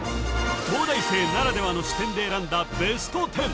東大生ならではの視点で選んだベスト１０